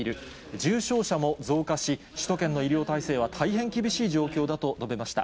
重症者も増加し、首都圏の医療体制は大変厳しい状況だと述べました。